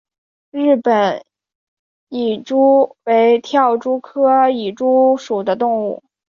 日本蚁蛛为跳蛛科蚁蛛属的动物。